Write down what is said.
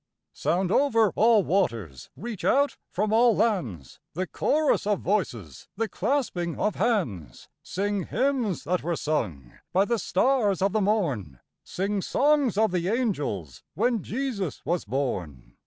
Sound over all waters, reach out from all lands, The chorus of voices, the clasping of hands; Sing hymns that were sung by the stars of the morn, Sing songs of the angels when Jesus was born!